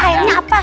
kasih airnya apa